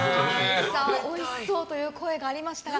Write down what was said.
おいしそうという声がありましたが、